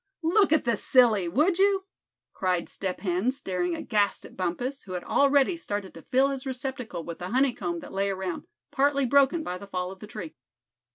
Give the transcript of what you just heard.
"Look at the silly, would you?" cried Step Hen, staring aghast at Bumpus, who had already started to fill his receptacle with the honey comb that lay around, partly broken by the fall of the tree.